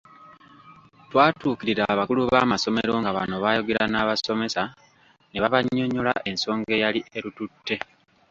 Twatuukirira abakulu b'amasomero nga bano baayogera n'abasomesa ne babanyonnyola ensonga eyali etututte.